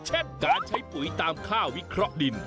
เช่นการใช้ปุ๋ยตามค่าวิเคราะห์ดิน